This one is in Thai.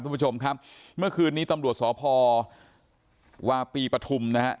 ผู้ชมครับเมื่อคืนนี้ตำรวจสพอวปรีปธุมนะครับ